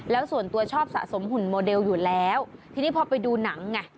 แล้วส่วนตัวชอบสะสมหุ่นโมเดลอยู่แล้วทีนี้พอไปดูหนังไง